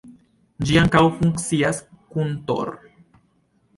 Ĝi ankaŭ funkcias kun Tor.